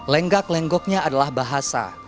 lenggak lenggoknya adalah bahasa